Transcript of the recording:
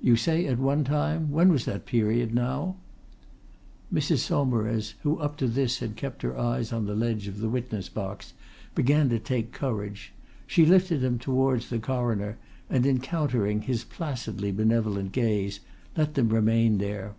"You say at one time? When was that period, now?" Mrs. Saumarez, who up to this had kept her eyes on the ledge of the witness box, began to take courage. She lifted them towards the Coroner and, encountering his placidly benevolent gaze, let them remain there.